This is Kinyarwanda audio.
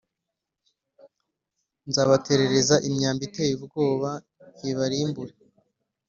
Nzabaterereza imyambi iteye ubwoba ibarimbure